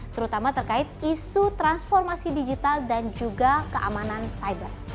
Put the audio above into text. terutama terkait isu transformasi digital dan juga keamanan cyber